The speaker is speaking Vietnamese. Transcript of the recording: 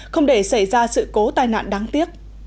không để xảy ra sự cố tai nạn đáng tiếc